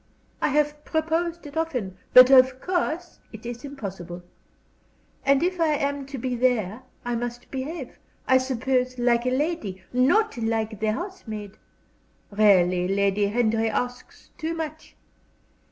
I have proposed it often, but of course it is impossible. And if I am to be there I must behave, I suppose, like a lady, not like the housemaid. Really, Lady Henry asks too much.